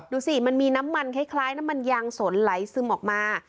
ดูสิมันมีน้ำมันคล้ายน้ำมันยางสนไหลซึมออกมา